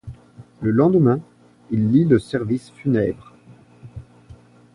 Le lendemain, il lit le service funèbre.